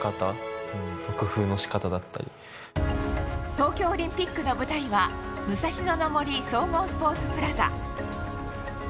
東京オリンピックの舞台は武蔵野の森総合スポーツプラザ。